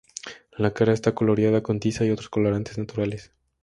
La cara está coloreada con tiza y otros colorantes naturales.